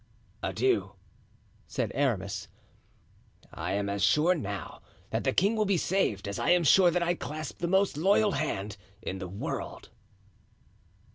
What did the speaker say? "Adieu," said Aramis. "I am as sure now that the king will be saved as I am sure that I clasp the most loyal hand in the world."